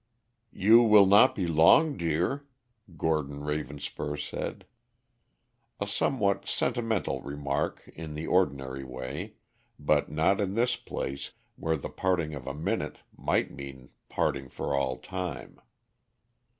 "You will not be long, dear," Gordon Ravenspur said. A somewhat sentimental remark in the ordinary way, but not in this place where the parting of a minute might mean parting for all time.